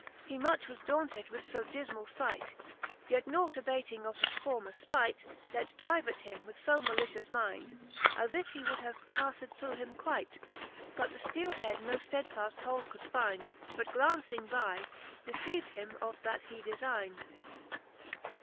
He much was daunted with fo difmall fight; Yet nought abating of his former fpight. Let drive at him with fo malicious mynd, As if he would have pafTed through him quight : But the fteele head no ftedfaft hold could fynd, But glauncing by, deceiv'd him of that he defynd.